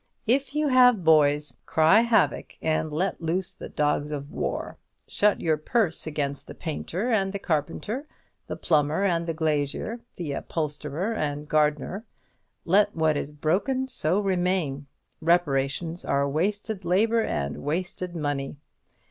If you have boys, "cry havoc, and let loose the dogs of war;" shut your purse against the painter and the carpenter, the plumber and glazier, the upholsterer and gardener; "let what is broken, so remain," reparations are wasted labour and wasted money.